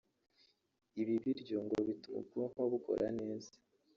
Ibi biryo ngo bituma ubwonko bukora neza